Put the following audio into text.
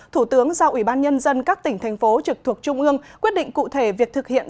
thủ tướng giao ủy ban nhân dân các tỉnh thành phố trực thuộc trung ương quyết định cụ thể việc thực hiện